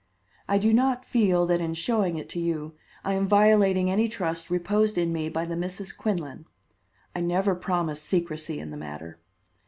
I do not feel that in showing it to you I am violating any trust reposed in me by the Misses Quinlan. I never promised secrecy in the matter."